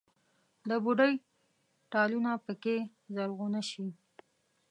د بوډۍ ټالونه پکښې زرغونه شي